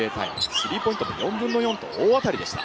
スリーポイントも４分の４と大当たりでした。